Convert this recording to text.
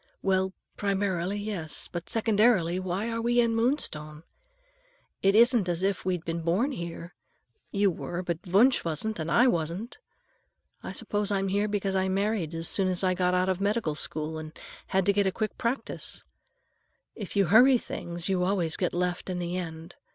"Well, primarily, yes. But secondarily, why are we in Moonstone? It isn't as if we'd been born here. You were, but Wunsch wasn't, and I wasn't. I suppose I'm here because I married as soon as I got out of medical school and had to get a practice quick. If you hurry things, you always get left in the end.